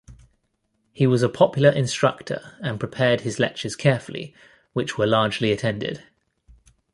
He was a popular instructor and prepared his lectures carefully, which were largely attended.